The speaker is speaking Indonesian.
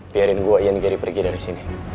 piharin gue ian gary pergi dari sini